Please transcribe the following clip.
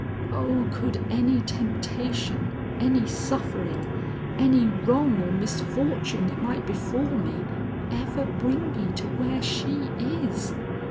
O, could any temptation, any suffering, any wrong or misfortune that might befall me, ever bring me to where she is!